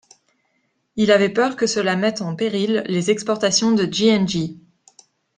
Il avait peur que cela mette en péril les exportations de J&J.